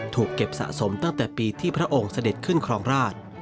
ถูกเก็บสะสมตั้งแต่ปีที่พระองค์เสด็จขึ้นครองราช